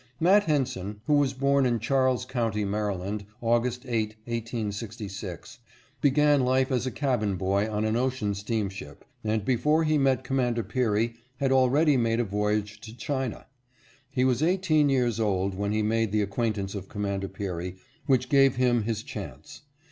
Matt Henson, who was born in Charles County, Maryland, August 8, 1866, began life as a cabin boy on an ocean steamship, and before he met Commander Peary had already made a voyage to China. He was eighteen years old when he made the acquaintance of Commander Peary which gave him his chance.